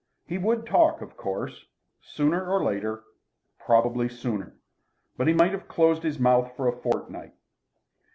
He would talk, of course, sooner or later, probably sooner. But he might have closed his mouth for a fortnight.